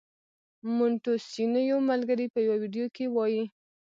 مونټیسینویو ملګری په یوه ویډیو کې وايي.